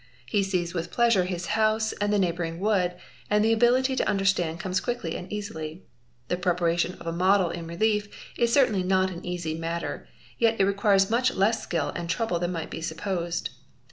He sees with pleasure his house and the neighbouring wood, and the ability to _ understand comes quickly and easily. The preparation of a model in relief is certainly not an easy matter, yet it requires much less skill and trouble than might be supposed.